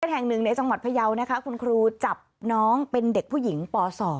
แห่งหนึ่งในจังหวัดพยาวนะคะคุณครูจับน้องเป็นเด็กผู้หญิงป๒